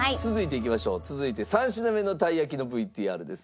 続いて３品目のたい焼きのＶＴＲです。